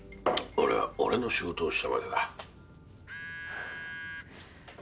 俺は俺の仕事をしたまでだ。